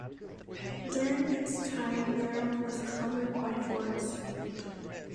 During its time Europe was covered by forests.